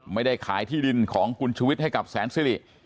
ไม่ได้ขายที่ดินของคุณชุวิตให้กับแสนสิริ